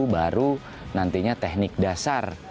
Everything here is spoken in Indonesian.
baru nantinya teknik dasar